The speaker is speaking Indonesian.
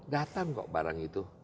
datang kok barang itu